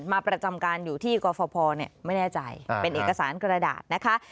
มาประจำการอยู่ที่กรฟภไม่แน่ใจเป็นเอกสารกระดาษนะคะ